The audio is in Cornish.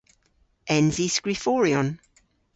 Ens i skriforyon?